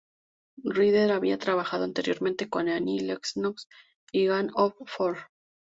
Reader había trabajado anteriormente con Annie Lennox y Gang of Four.